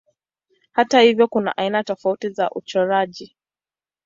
Hata hivyo kuna aina tofauti za uchoraji.